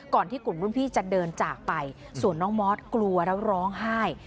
ก่อนที่กลุ่มรุ่นพี่จะเดินจากไปส่วนน้องมอสกลัวแล้วร้องไห้